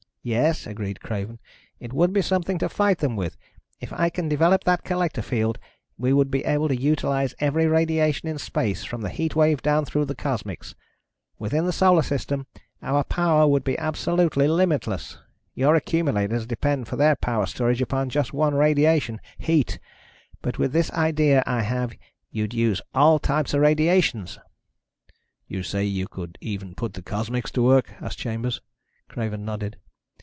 "Yes," agreed Craven. "It would be something to fight them with. If I can develop that collector field, we would be able to utilize every radiation in space, from the heat wave down through the cosmics. Within the Solar System, our power would be absolutely limitless. Your accumulators depend for their power storage upon just one radiation ... heat. But with this idea I have you'd use all types of radiations." "You say you could even put the cosmics to work?" asked Chambers. Craven nodded.